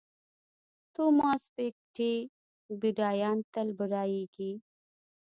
توماس پیکیټي بډایان تل بډایېږي.